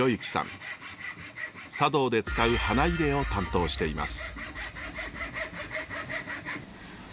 茶道で使う花入れを担当しています。